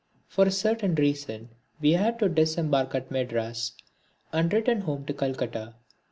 For a certain reason we had to disembark at Madras and return home to Calcutta.